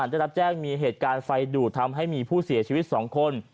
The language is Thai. ได้รับแจ้งมีเหตุการณ์ไฟดูดทำให้มีผู้เสียชีวิต๒คน